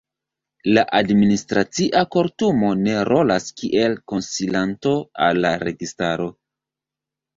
La Administracia Kortumo ne rolas kiel konsilanto al la registaro.